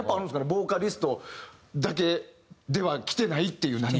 ボーカリストだけではきてないっていう何か。